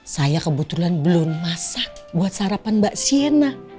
saya kebetulan belum masak buat sarapan mbak siena